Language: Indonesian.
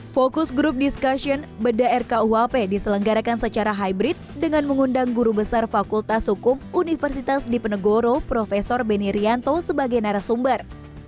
fokus grup diskusi bedah rkuhp diselenggarakan secara hybrid dengan mengundang guru besar fakultas hukum universitas dipenegoro prof beni rianto sebagai narasumber